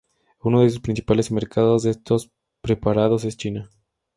Uno de sus principales mercados de estos preparados es China.